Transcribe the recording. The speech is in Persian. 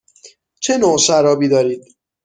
چه نوع شرابی دارید؟